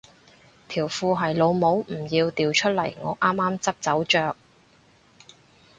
條褲係老母唔要掉出嚟我啱啱執走着